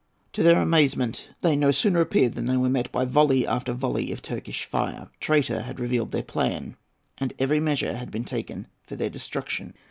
To their amazement, they no sooner appeared than they were met by volley after volley of Turkish fire. A traitor had revealed their plan, and every measure had been taken for their destruction.